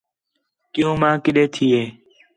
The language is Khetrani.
کیوں ماں کِݙّے تھی ہے